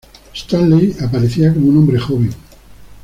Stanley aparecía como un hombre joven.